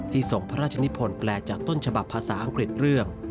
ส่งพระราชนิพลแปลจากต้นฉบับภาษาอังกฤษเรื่อง